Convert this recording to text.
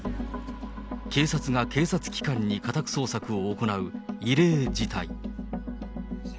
警察が警察機関に家宅捜索を行う異例の事態。